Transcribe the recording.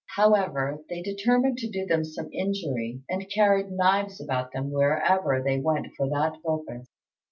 However, they determined to do them some injury, and carried knives about with them wherever they went for that purpose.